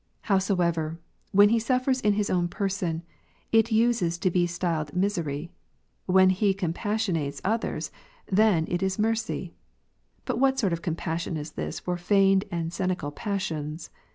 Howsoever, when he suffers in his own person, it uses to be styled misery : when he hath fellow suf fering, then it is mercy". But what sort of compassion is this for feignedand scenical passions